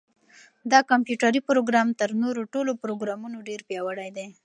دا کمپیوټري پروګرام تر نورو ټولو پروګرامونو ډېر پیاوړی دی.